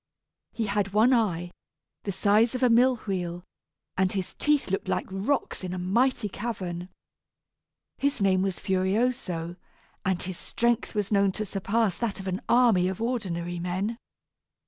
He had one eye, the size of a mill wheel, and his teeth looked like rocks in a mighty cavern. His name was Furioso, and his strength was known to surpass that of an army of ordinary men.